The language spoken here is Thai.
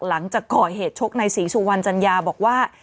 หลังจากก่อเหตุชกในศรีสุวรรณจัญญาบอกว่า